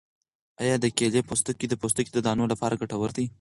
آیا د کیلې پوستکی د پوستکي د دانو لپاره ګټور دی؟